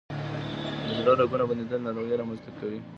د زړه رګونه بندیدل ناروغۍ رامنځ ته کوي.